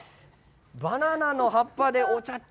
バナナの葉っぱでお茶って。